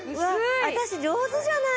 私上手じゃない！